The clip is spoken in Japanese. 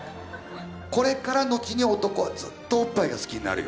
これから後に男はずっとおっぱいが好きになるよ。